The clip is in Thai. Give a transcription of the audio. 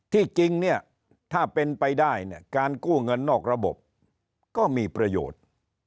ที่จริงถ้าเป็นไปได้การกู้เงินนอกระบบก็มีประโยชน์